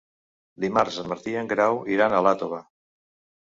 Dimarts en Martí i en Grau iran a Iàtova.